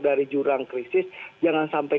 dari jurang krisis jangan sampai